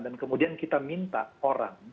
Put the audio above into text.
dan kemudian kita minta orang